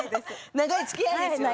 長いつきあいですね